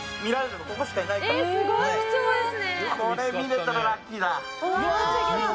これ見れたらラッキーだ！